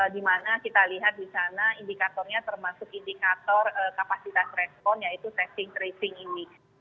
di mana kita lihat di sana indikatornya termasuk indikator kapasitas respon yaitu testing tracing ini